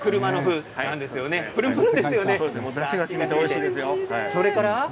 だしがしみておいしいですよ。